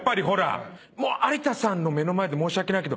有田さんの目の前で申し訳ないけど。